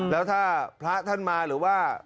แล้วถ้าพระท่านมาหรือว่า